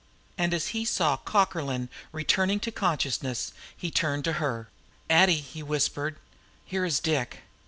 And as he saw Cockerlyne returning to consciousness, he turned to her. "Addie!" he whispered. "Here is Dick!"